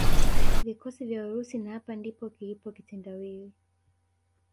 vikosi vya Urusi na hapa ndipo kilipo kitendawili